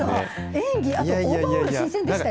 演技、あとオーバーオール、新鮮でしたよ。